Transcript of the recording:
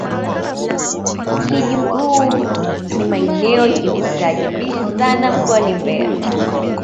kijunguu ni maeneo yenye kustaajabisha sana mkoani mbeya